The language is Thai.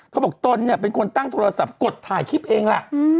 ตนเนี่ยเป็นคนตั้งโทรศัพท์กดถ่ายคลิปเองล่ะ